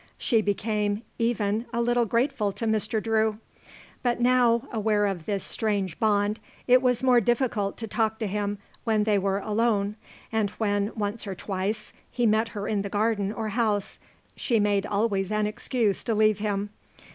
She became, even, a little grateful to Mr. Drew. But now, aware of this strange bond, it was more difficult to talk to him when they were alone and when, once or twice, he met her in the garden or house, she made always an excuse to leave him.